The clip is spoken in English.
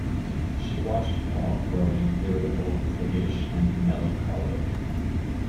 She watched Paul growing irritable, priggish, and melancholic.